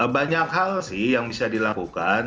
banyak hal sih yang bisa dilakukan